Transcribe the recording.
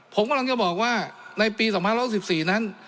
ผมกำลังจะบอกว่าในปี๒๖๔นั้น